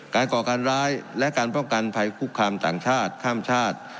ก่อการร้ายและการป้องกันภัยคุกคามต่างชาติข้ามชาติ